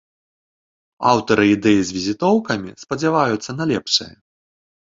Аўтары ідэі з візітоўкамі спадзяюцца на лепшае.